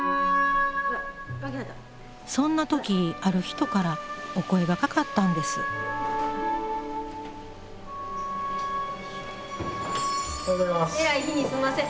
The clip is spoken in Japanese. そんな時ある人からお声がかかったんですおはようございます。